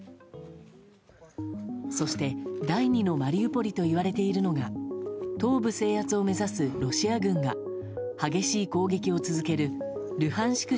そして、第２のマリウポリといわれているのが東部制圧を目指すロシア軍が激しい攻撃を続けるルハンシク